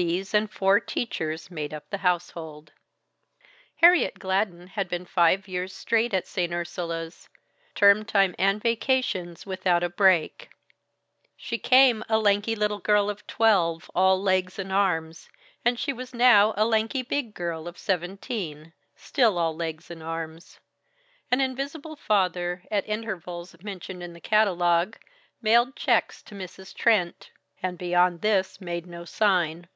These and four teachers made up the household. Harriet Gladden had been five years straight at St. Ursula's term time and vacations without a break. She came a lanky little girl of twelve, all legs and arms, and she was now a lanky big girl of seventeen, still all legs and arms. An invisible father, at intervals mentioned in the catalogue, mailed checks to Mrs. Trent; and beyond this made no sign.